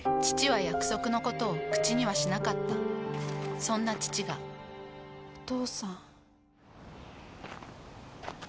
父は約束のことを口にはしなかったそんな父がお父さん。